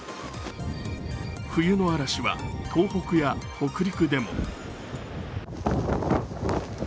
冬の嵐は東北や北陸でも。